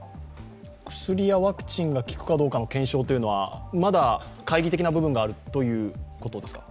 薬やワクチンが効くかどうかの検証というのは、まだ懐疑的な部分があるということですか。